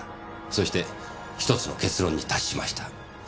そして１つの結論に達しました。